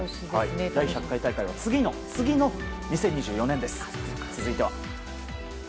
第１００回大会は次の次の２０２４年です。